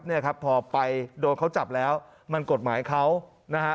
เนี่ยครับพอไปโดนเขาจับแล้วมันกฎหมายเขานะฮะ